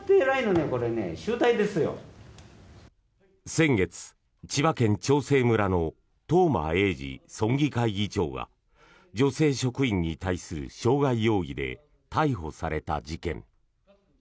先月、千葉県長生村の東間永次村議会議長が女性職員に対する傷害容疑で逮捕された事件。